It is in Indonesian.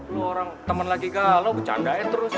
lo orang temen laki kali lo bercandain terus